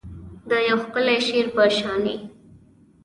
د یو ښکلي شعر په شاني